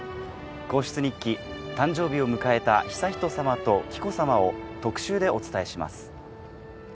『皇室日記』誕生日を迎えた悠仁さまと紀子さまを特集でお伝えします。